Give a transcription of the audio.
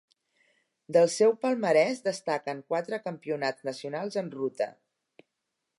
Del seu palmarès destaquen quatre Campionats nacionals en ruta.